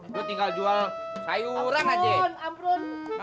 gue tinggal jual sayuran aja